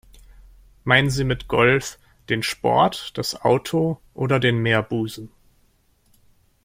Meinen Sie mit Golf den Sport, das Auto oder den Meerbusen?